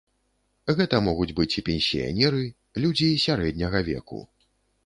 Гэта могуць быць і пенсіянеры, людзі сярэдняга веку.